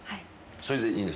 それでいいんです。